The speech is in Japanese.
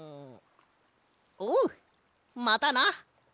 おうまたな！